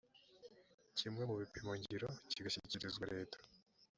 kimwe mu bipimongiro kigashyikirizwa leta